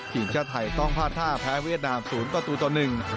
ทีมชาติไทยต้องพลาดท่าแพ้เวียดนามศูนย์ประตูต่อ๑